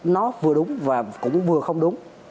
nó vừa đúng và cũng vừa không đúng